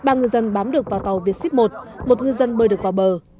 ba ngư dân bám được vào tàu vietship một một ngư dân bơi được vào bờ